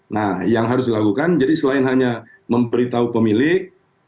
nah yang harus dilakukan jadi selain hanya memberitahu pemilik